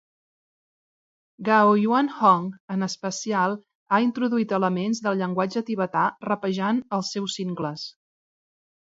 Gaoyuan Hong en especial ha introduït elements del llenguatge tibetà rapejant als seus singles.